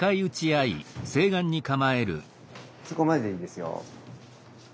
そこまででいいですよ。